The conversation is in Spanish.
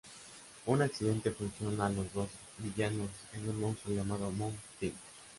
Un accidente fusiona a los dos villanos en un monstruo llamado Mud-Thing.